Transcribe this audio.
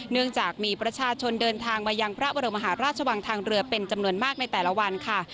เนื่องจากมีประชาชนเดินทางมายังพระบรมหาราชวังทางเรือเป็นจำนวนมากในแต่ละวันค่ะ